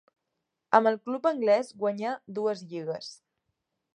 Amb el club anglès guanyà dues lligues.